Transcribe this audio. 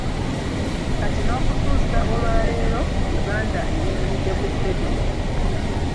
Kati n’okutuusa olwaleero, Buganda eyimiridde ku Federo.